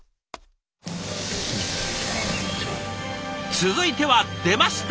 続いては出ました！